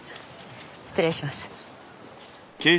失礼します。